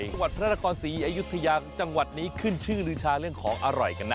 จังหวัดพระราคอนศรีอายุธยาขึ้นชื่อรึชาเรื่องของอร่อยกันนะ